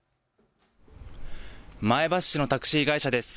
前橋市のタクシー会社です。